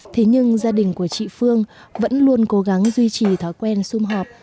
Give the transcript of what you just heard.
thế nhưng gia đình của chị phương vẫn luôn cố gắng duy trì thói quen xung họp